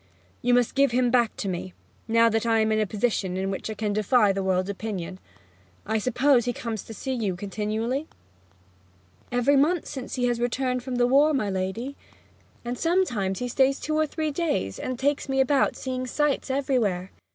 'You must give him back to me, now that I am in a position in which I can defy the world's opinion. I suppose he comes to see you continually?' 'Every month since he returned from the war, my lady. And sometimes he stays two or three days, and takes me about seeing sights everywhere!'